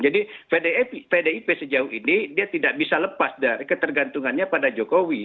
jadi pdip sejauh ini dia tidak bisa lepas dari ketergantungannya pada jokowi